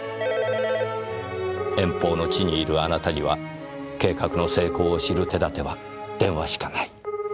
遠方の地にいるあなたには計画の成功を知る手立ては電話しかない。